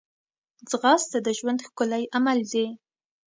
ځغاسته د ژوند ښکلی عمل دی